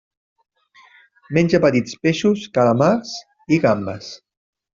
Menja petits peixos, calamars i gambes.